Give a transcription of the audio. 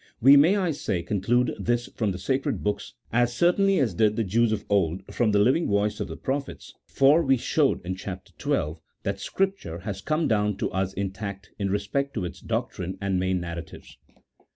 We may, I say, conclude tins from the sacred books as certainly as did the Jews of old from the living voice of the prophets : for we showed in Chap. XII. that Scripture has come down to us intact in respect to its doctrine and main narratives.